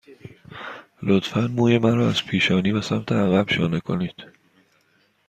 لطفاً موی مرا از پیشانی به سمت عقب شانه کنید.